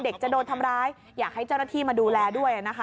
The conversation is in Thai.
จะโดนทำร้ายอยากให้เจ้าหน้าที่มาดูแลด้วยนะคะ